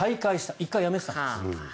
１回やめてたんです。